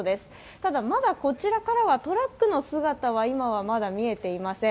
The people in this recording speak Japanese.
ただ、まだこちらからはトラックの姿は見えていません。